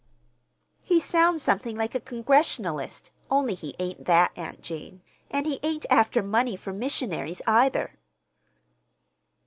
"He sounds something like a Congregationalist, only he ain't that, Aunt Jane, and he ain't after money for missionaries, either."